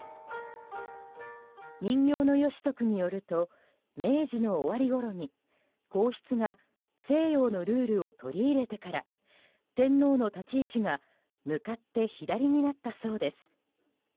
人形の吉徳によると明治の終わりごろに皇室が西洋のルールを取り入れてから天皇の立ち位置が向かって左になったそうです。